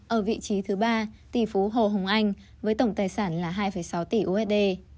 ở vị trí thứ ba tỷ phú hồ hồng anh với tổng tài sản là hai sáu tỷ usd